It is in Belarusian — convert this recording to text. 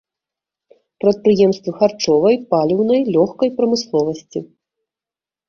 Прадпрыемствы харчовай, паліўнай, лёгкай прамысловасці.